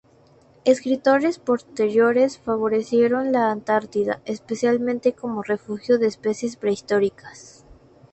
Escritores posteriores favorecieron la Antártida, especialmente como refugio de especies prehistóricas.